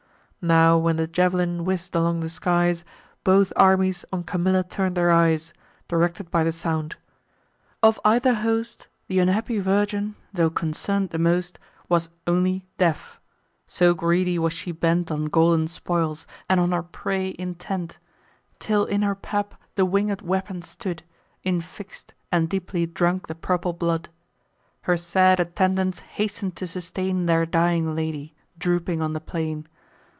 Now, when the jav'lin whizz'd along the skies, Both armies on Camilla turn'd their eyes, Directed by the sound. Of either host, Th' unhappy virgin, tho' concern'd the most, Was only deaf; so greedy was she bent On golden spoils, and on her prey intent; Till in her pap the winged weapon stood Infix'd, and deeply drunk the purple blood. Her sad attendants hasten to sustain Their dying lady, drooping on the plain.